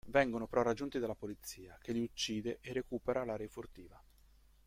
Vengono però raggiunti dalla polizia, che li uccide e recupera la refurtiva.